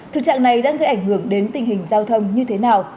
thực trạng này đang gây ảnh hưởng đến tình hình giao thông như thế nào